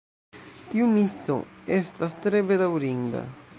Tiu miso estas tre bedaŭrinda.